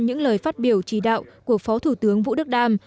những lời phát biểu chỉ đạo của phó thủ tướng vũ đức đam